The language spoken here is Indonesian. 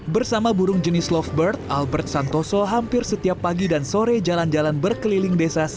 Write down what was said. bersama burung jenis lovebird albert santoso hampir setiap pagi dan sore jalan jalan berkeliling desa